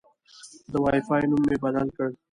د وای فای نوم مې بدل کړ.